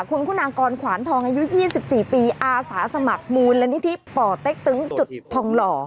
คุณคุณางกรขวานทองอายุ๒๔ปีอาสาสมัครมูลนิธิป่อเต็กตึงจุดทองหล่อ